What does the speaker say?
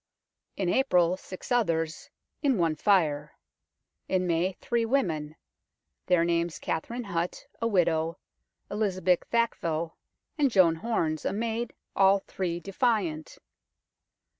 In April six others, in one fire ; in May three women their names Katherine Hut, a widow, Elizabeth Thackvel, and Joan Horns, a maid, all three defiant.